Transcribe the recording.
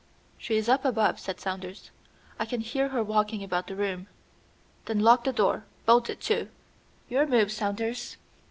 "She is up above," said Saunders; "I can hear her walking about the room." "Then lock the door; bolt it too. Your move, Saunders."